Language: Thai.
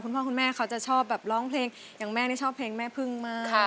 พ่อคุณแม่เขาจะชอบแบบร้องเพลงอย่างแม่นี่ชอบเพลงแม่พึ่งมาก